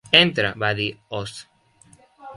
"Entra", va dir Oz.